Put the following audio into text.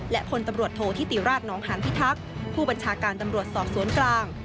และพลตำรวจโทษธิติราชนองหานพิทักษ์ผู้บัญชาการตำรวจสอบสวนกลาง